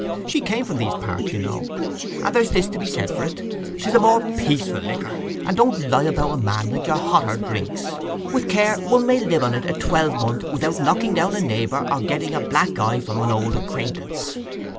She came from these parts, you know. And there's this to be said for't—'tis a more peaceful liquor, and don't lie about a man like your hotter drinks. With care, one may live on it a twelvemonth without knocking down a neighbour, or getting a black eye from an old acquaintance.